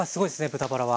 豚バラは。